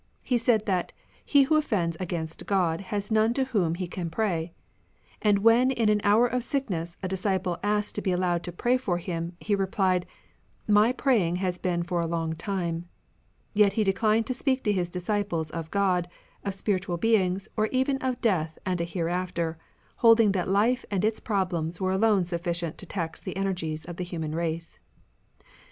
He said that " he who offends against God has none to whom he can pray ;" and when in an hour of sickness a disciple asked to be allowed to pray for him, he replied, " My praying has been for a long time." Yet he declined to speak to his disciples of God, of spiritual beings or even of death and a hereafter, holding that life and its problems were alone sufficient to tax the energies of the human race.